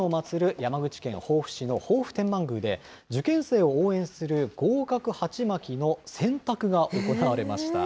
山口県防府市の防府天満宮で、受験生を応援する合格はちまきの洗濯が行われました。